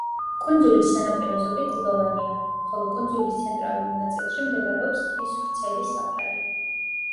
კუნძულის სანაპირო ზოლი კლდოვანია, ხოლო კუნძულის ცენტრალურ ნაწილში მდებარეობს ტყის ვრცელი საფარი.